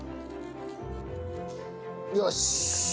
よし！